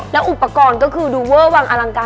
แล้วอุปกรณ์ก็คือดูเวอร์วังอลังการ